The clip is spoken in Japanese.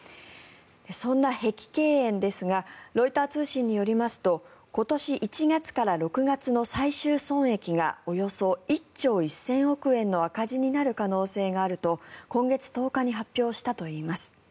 そんな碧桂園ですがロイター通信によりますと今年１月から６月の最終損益がおよそ１兆１０００億円の赤字になる可能性があると今月１０日に発表したということです。